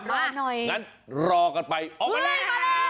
แล้วรอกันไปออกมาเลย